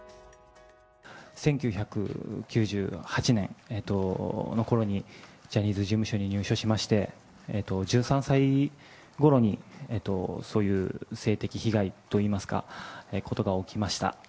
１９９８年のころに、ジャニーズ事務所に入所しまして、１３歳ごろに、そういう性的被害といいますか、ことが起きました。